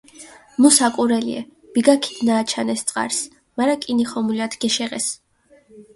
მუ საკურელიე, ბიგა ქიდჷნააჩანეს წყარსჷ, მარა კინი ხომულათ გეშეღესჷ.